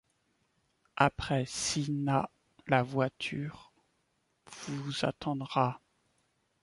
Après Cinna, la voiture vous attendra.